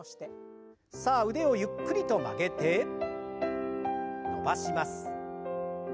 さあ腕をゆっくりと曲げて伸ばします。